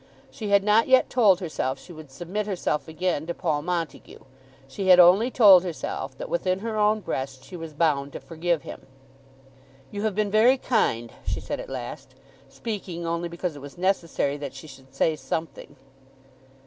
She had not yet told herself she would submit herself again to Paul Montague. She had only told herself that, within her own breast, she was bound to forgive him. "You have been very kind," she said at last, speaking only because it was necessary that she should say something.